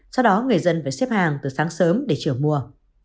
sau đó người dân phải xếp hàng từ sáng sớm để chữa mùa